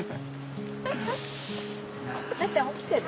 なーちゃん起きてる？